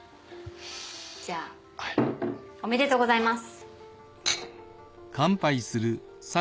じゃあおめでとうございます。